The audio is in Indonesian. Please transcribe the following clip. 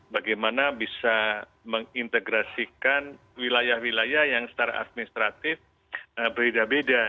bagaimana bisa mengintegrasikan wilayah wilayah yang secara administratif beda beda